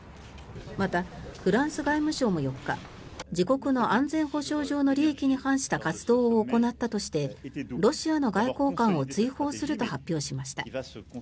また、フランス外務省も４日自国の安全保障上の利益に反した活動を行ったとしてロシアの外交官を追放すると発表しました。